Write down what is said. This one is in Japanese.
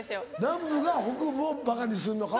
南部が北部をばかにするのか。